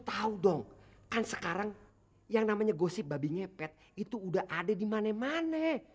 tahu dong kan sekarang yang namanya gosip babi ngepet itu udah ada di mana mana